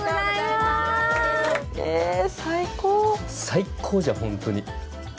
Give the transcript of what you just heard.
最高じゃんほんとに。